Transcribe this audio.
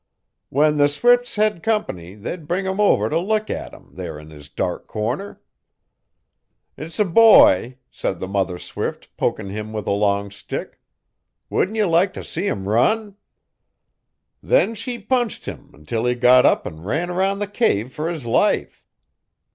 '"When the swifts hed comp'ny they 'd bring 'em overt' look at him there 'n his dark corner." "S a boy," said the mother swift pokin' him with a long stick "Wouldn't ye like t' see 'im run?" Then she punched him until he got up an' run 'round the cave fer his life.